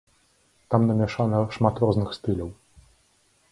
Там намяшана шмат розных стыляў.